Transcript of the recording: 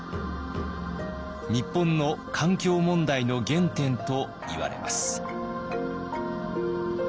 日本の環境問題の原点といわれます。